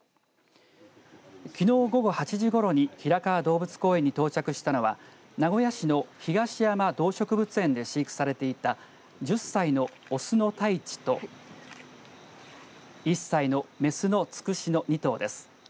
きのう午後８時ごろに平川動物公園に到着したのは名古屋市の東山動植物園で飼育されていた１０歳の雄のタイチと１歳の雌のつくしの２頭です。